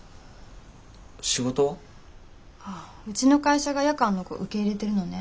うちの会社が夜間の子受け入れてるのね。